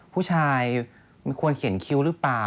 ผู้ชายมันควรเขียนคิ้วหรือเปล่า